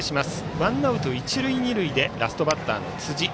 ワンアウト一塁二塁でラストバッターの辻。